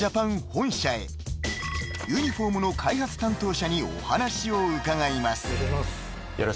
［ユニフォームの開発担当者にお話を伺います］